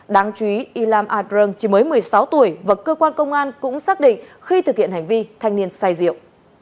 đáng chú ý y lam a drung chỉ mới một mươi sáu tuổi và cơ quan công an cũng xác định khi thực hiện hành vi thanh niên sai diệu